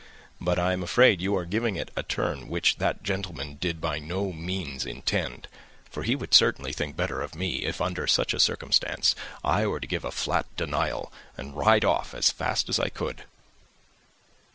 But I am afraid you are giving it a turn which that gentleman did by no means intend; for he would certainly think the better of me if, under such a circumstance, I were to give a flat denial, and ride off as fast as I could."